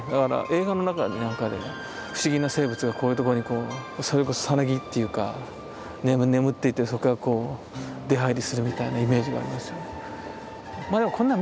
映画の中なんかで不思議な生物がこういうところにこうそれこそサナギっていうか眠っていてそっからこう出入りするみたいなイメージがありますよね。